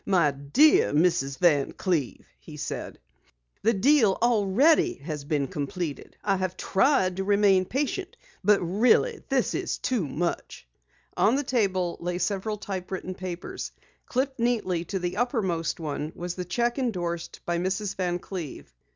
"My dear Mrs. Van Cleve," he said, "the deal already has been completed. I have tried to remain patient, but really this is too much." On the table lay several typewritten papers. Clipped neatly to the uppermost one, was the cheque endorsed by Mrs. Van Cleve. Mr.